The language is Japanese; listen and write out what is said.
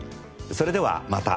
それではまた。